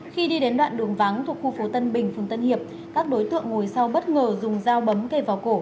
khi đi đến đoạn đường vắng thuộc khu phố tân bình phường tân hiệp các đối tượng ngồi sau bất ngờ dùng dao bấm kề vào cổ